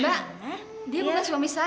mbak dia bukan suami saya